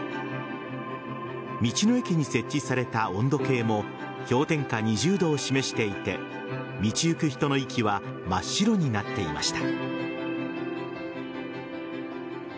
道の駅に設置された温度計も氷点下２０度を示していて道行く人の息は真っ白になっていました。